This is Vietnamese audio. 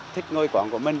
thích ngôi quán của mình